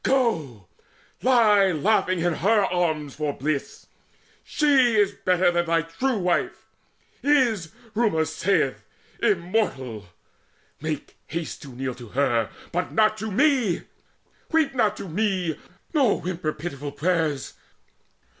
Go, Lie laughing in her arms for bliss! She is better Than thy true wife is, rumour saith, immortal! Make haste to kneel to her but not to me! Weep not to me, nor whimper pitiful prayers!